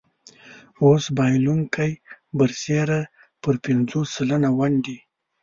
اوس بایلونکی برسېره پر پنځوس سلنه ونډې.